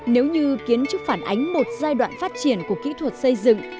nếu như kiến trúc phản ánh một giai đoạn phát triển của kỹ thuật xây dựng